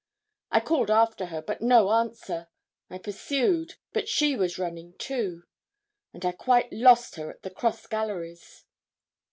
I called after her, but no answer; I pursued, but she was running too; and I quite lost her at the cross galleries.